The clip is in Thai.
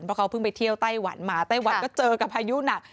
เพราะเขาเพิ่งไปเที่ยวไต้หวันมาไต้หวันก็เจอกับพายุหนัก